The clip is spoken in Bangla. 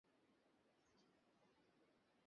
তখন কোথায় ছিলাম যেন আমি?